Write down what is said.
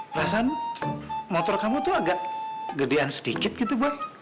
perasaan motor kamu tuh agak gedean sedikit gitu bang